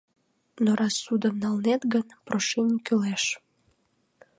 — Но раз ссудым налнет гын, прошений кӱлеш.